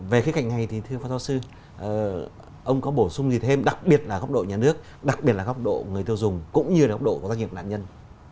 về cái cạnh này thì thưa phát tho sư ông có bổ sung gì thêm đặc biệt là góc độ nhà nước đặc biệt là góc độ người tiêu dùng cũng như là góc độ doanh nghiệp nạn nhân